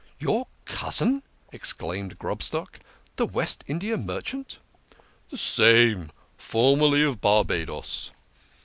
" Your cousin !" exclaimed Grobstock, " the West Indian merchant !" "The same formerly of Barbadoes.